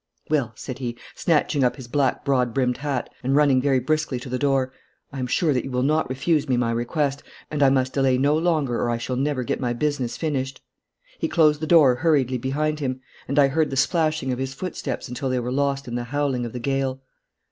'Well,' said he, snatching up his black broad brimmed hat and running very briskly to the door, 'I am sure that you will not refuse me my request, and I must delay no longer or I shall never get my business finished.' He closed the door hurriedly behind him, and I heard the splashing of his foot steps until they were lost in the howling of the gale.